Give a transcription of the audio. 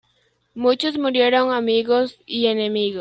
Muchos murieron, amigos y enemigos.